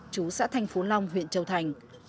chú xã thành phú long huyện châu thành